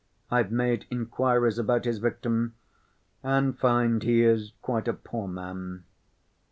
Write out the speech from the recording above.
I've made inquiries about his victim, and find he is quite a poor man.